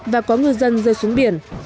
và có ngư dân rơi xuống biển